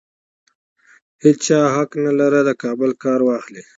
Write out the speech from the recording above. هېچا حق نه لري د بل کار واخلي.